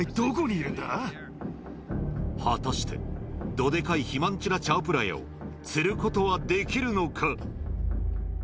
果たしてどデカいヒマンチュラ・チャオプラヤを釣ることはできるのか？